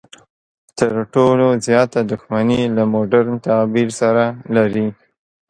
تر ټولو زیاته دښمني له مډرن تعبیر سره لري.